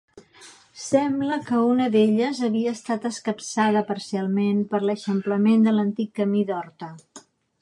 Sembla que una d’elles havia estat escapçada parcialment per l'eixamplament de l'antic camí d'Horta.